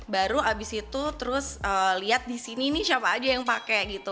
baru habis itu terus lihat di sini nih siapa aja yang pakai gitu